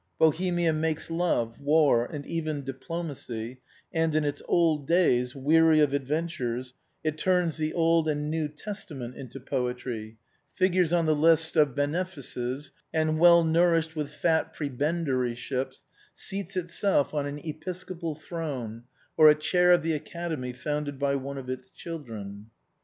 Bohemia makes love, war and even diplomacy, and in its old days, weary of adventures, it turns the Old and New Testament into poetry, figures on the list of benefices, and well nourished with fat prebendaryships, seats itself on an episcopal throne, or a chair of the Academy, founded by one of its children.